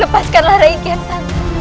lepaskanlah rai kenta